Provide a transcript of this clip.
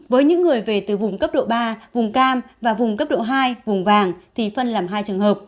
với những người về từ vùng cấp độ ba vùng cam và vùng cấp độ hai vùng vàng thì phân làm hai trường hợp